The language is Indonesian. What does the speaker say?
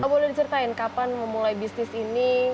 boleh diceritain kapan memulai bisnis ini